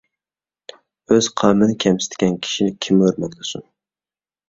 ئۆز قوۋمىنى كەمسىتكەن كىشىنى كىممۇ ھۆرمەتلىسۇن؟ !